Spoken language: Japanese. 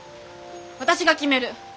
私が決める。